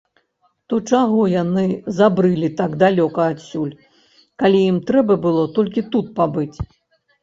То чаго яны забрылі так далёка адсюль, калі ім трэба было толькі тут пабыць?